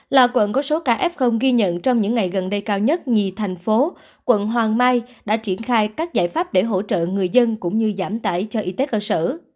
là quận có số ca f ghi nhận trong những ngày gần đây cao nhất nhì thành phố quận hoàng mai đã triển khai các giải pháp để hỗ trợ người dân cũng như giảm tải cho y tế cơ sở